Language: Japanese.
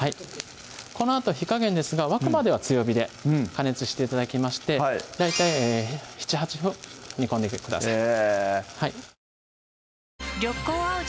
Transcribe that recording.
このあと火加減ですが沸くまでは強火で加熱して頂きまして大体７８分煮込んでください